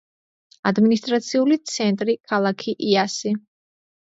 ადმინისტრაციული ცენტრი ქალაქი იასი.